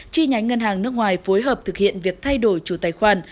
chi nhánh ngân hàng nước ngoài phối hợp thực hiện việc thay đổi chủ tài khoản